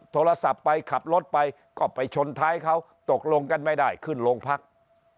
โทรศัพท์ไปขับรถไปก็ไปชนท้ายเขาตกลงกันไม่ได้ขึ้นโรงพัก